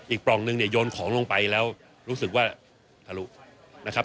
ปล่องนึงเนี่ยโยนของลงไปแล้วรู้สึกว่าทะลุนะครับ